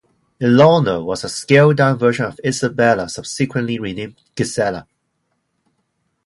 "Ilona" was a scaled down version of "Isabella", subsequently renamed "Gisella".